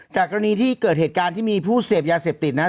จากกรณีที่เกิดหิตการที่มีผู้เสพยาเสพติดนะฮะ